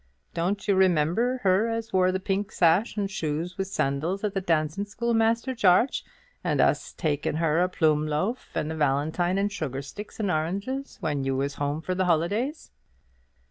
Don't you remember her as wore the pink sash and shoes wi' sandals at the dancin' school, Master Jarge; and us takin' her a ploom loaf, and a valentine, and sugar sticks, and oranges, when you was home for th' holidays?"